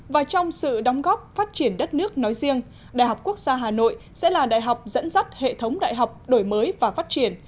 và trong sự đóng góp phát triển đất nước nói riêng đại học quốc gia hà nội sẽ là đại học dẫn dắt hệ thống đại học đổi mới và phát triển